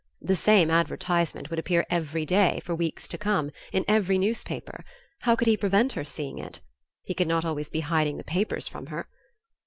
The same advertisement would appear every day, for weeks to come, in every newspaper; how could he prevent her seeing it? He could not always be hiding the papers from her....